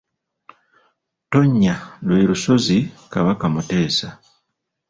Ttonnya lwe lusozi Kabaka Muteesa.